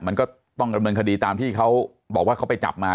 มันก็ต้องดำเนินคดีตามที่เขาบอกว่าเขาไปจับมา